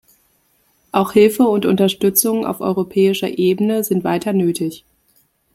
Auch Hilfe und Unterstützung auf europäischer Ebene sind weiter nötig.